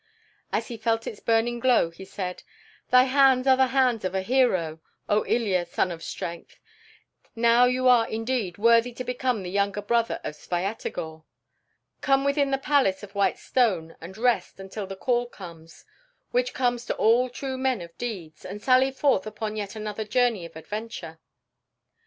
As he felt its burning glow he said, "Thy hands are the hands of a hero, O Ilya, son of strength. Now you are indeed worthy to become the younger brother of Svyatogor. Come within the palace of white stone and rest until the call comes, which comes to all true men of deeds, to sally forth upon yet another journey of adventure."